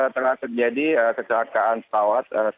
terlalu terjadi kecelakaan pesawat